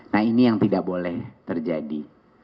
nah ini yang tidak boleh terjadi